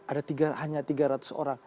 ada hanya tiga ratus orang